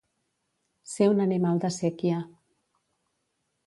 Ser un animal de séquia.